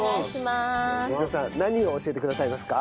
光代さん何を教えてくださいますか？